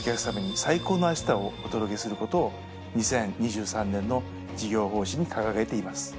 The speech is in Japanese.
お届けすることを２０２３年の事業方針に掲げています。